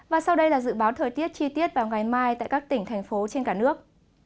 và sau đây là dự báo thời tiết chi tiết vào ngày mai tại các tỉnh thành phố trên cả nước